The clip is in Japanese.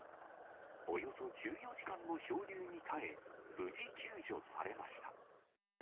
およそ１４時間の漂流に耐え、無事、救助されました。